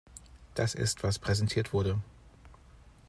Das ist, was präsentiert wurde.